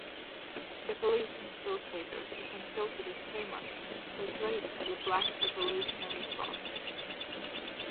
The police infiltrators who concocted this frame-up portrayed it as a Black revolutionary plot.